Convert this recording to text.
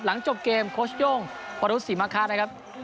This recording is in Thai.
หลังจบเกมโค้ชโย่งพรุษศรีมาฆาตนะครับ